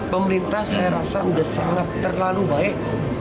pemerintah saya rasa sudah sangat terlalu baik